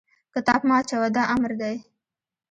کتاب مه اچوه! دا امر دی.